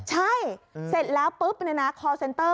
ใช่เสร็จแล้วปุ๊บคอร์เซ็นเตอร์